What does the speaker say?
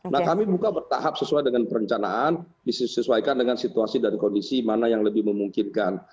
nah kami buka bertahap sesuai dengan perencanaan disesuaikan dengan situasi dan kondisi mana yang lebih memungkinkan